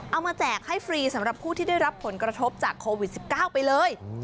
แจกให้ฟรีสำหรับผู้ที่ได้รับผลกระทบจากโควิด๑๙ไปเลย